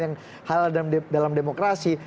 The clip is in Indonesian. yang halal dalam demokrasi